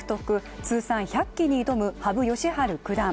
通算１００期に挑む羽生善治九段。